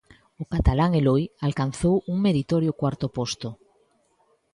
O catalán Eloi alcanzou un meritorio cuarto posto.